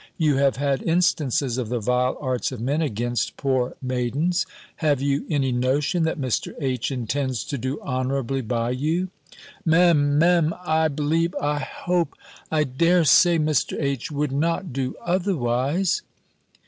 You have had instances of the vile arts of men against poor maidens: have you any notion that Mr. H. intends to do honourably by you?" "Me'm Me'm I believe I hope I dare say, Mr. H. would not do otherwise."